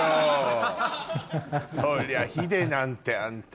そりゃＨＩＤＥなんてあんた。